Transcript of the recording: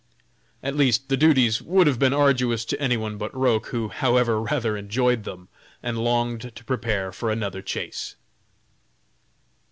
At least the duties would have been arduous to any one but Roch, who, however, rather enjoyed them, and longed to prepare for another chase.